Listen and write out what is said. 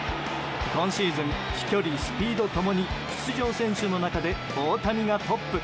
今シーズン飛距離、スピード共に出場選手の中で大谷がトップ。